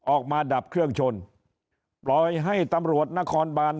ดับเครื่องชนปล่อยให้ตำรวจนครบาน